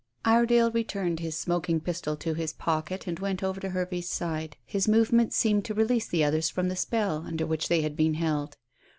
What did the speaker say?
Iredale returned his smoking pistol to his pocket, and went over to Hervey's side. His movements seemed to release the others from the spell under which they had been held.